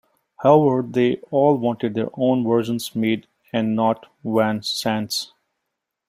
However, they all wanted their own versions made and not Van Sant's.